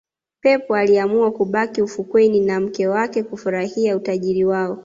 pep aliamua kubaki ufukweni na mke wake kufurahia utajiri wao